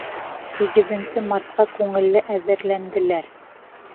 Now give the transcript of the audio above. Һигеҙенсе мартҡа күңелле әҙерләнделәр.